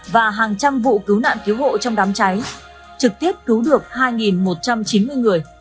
và hàng trăm vụ cứu nạn cứu hộ trong đám cháy trực tiếp cứu được hai một trăm chín mươi người